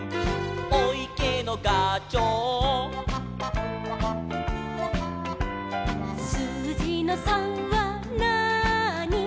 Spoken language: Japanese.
「おいけのがちょう」「すうじの３はなーに」